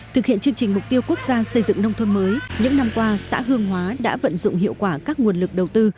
thực hiện chương trình mục tiêu quốc gia xây dựng nông thôn mới những năm qua xã hương hóa đã vận dụng hiệu quả các nguồn lực đầu tư